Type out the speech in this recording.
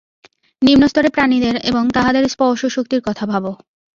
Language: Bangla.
নিম্নস্তরের প্রাণীদের এবং তাহাদের স্পর্শশক্তির কথা ভাবো।